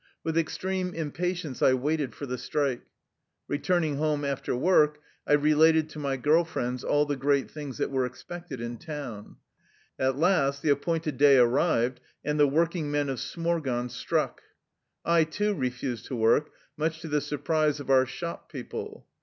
With extreme impatience I waited for the strike. Keturning home after work, I related to my girl friends all the great things that were expected in town. At last the appointed day arrived, and the working men of Smorgon struck. I, too, refused to work, much to the surprise of our shop people.